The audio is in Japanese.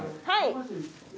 はい。